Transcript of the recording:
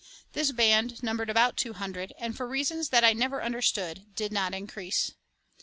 This band numbered about two hundred, and for reasons that I never understood did not increase.